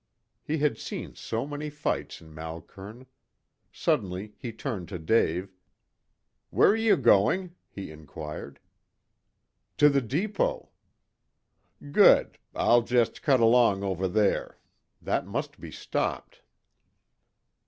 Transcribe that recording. He had seen so many fights in Malkern. Suddenly he turned to Dave "Where are you going?" he inquired. "To the depot." "Good. I'll just cut along over there. That must be stopped."